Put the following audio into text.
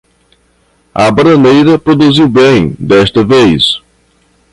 A bananeira produziu bem desta vez